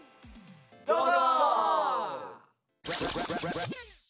どうぞ！